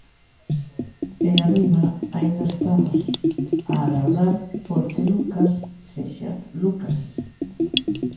E arriba aínda estamos a agardar por que Lucas sexa Lucas.